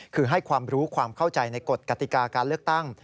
คือให้ความรู้ความเข้าใจในกฎกติกาการเลือกตั้ง